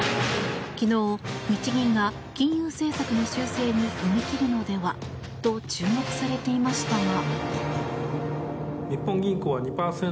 昨日、日銀が、金融政策の修正に踏み切るのではと注目されていましたが。